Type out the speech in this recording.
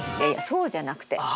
いやいやそうじゃなくて。